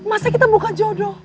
masa kita bukan jodoh